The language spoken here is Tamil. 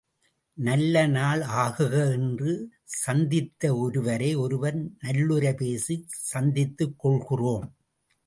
நல்ல நாள் ஆகுக என்று சந்தித்து ஒருவரை ஒருவர் நல்லுரை பேசிச் சந்தித்துக்கொள்கிறோம்.